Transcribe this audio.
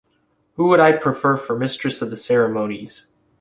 Who would I prefer for mistress of the ceremonies?